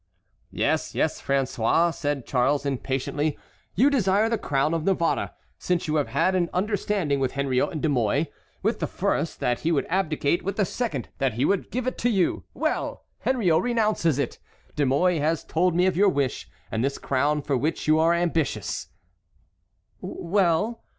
"Yes, yes, François," said Charles, impatiently, "you desire the crown of Navarre, since you have had an understanding with Henriot and De Mouy,—with the first, that he would abdicate; with the second, that he would give it to you. Well! Henriot renounces it! De Mouy has told me of your wish, and this crown for which you are ambitious"— "Well?"